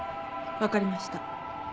分かりました。